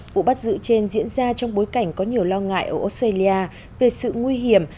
vụ bắt giữ trên diễn ra trong bối cảnh có nhiều lo ngại ở australia về sự nguy hiểm